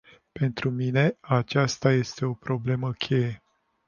Pentru mine, aceasta este o problemă cheie.